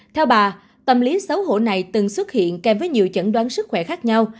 theo bà tâm lý xấu hổ này từng xuất hiện kèm với nhiều chẩn đoán sức khỏe khác nhau